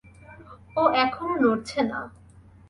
ও এখনো নড়ছে না।